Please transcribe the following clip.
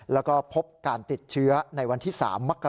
แล้วก็พบการติดเชื้อในวันที่๓มกรา